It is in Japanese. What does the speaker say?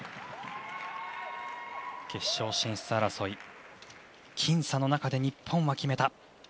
決勝進出争い、僅差の中で日本は決めた。